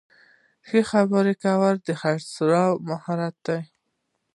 ښه خبرې کول د خرڅلاو مهارت دی.